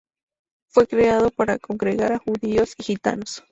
Fue creado para congregar a judíos y gitanos.